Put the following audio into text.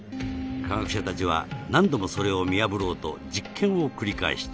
科学者たちは何度もそれを見破ろうと実験を繰り返した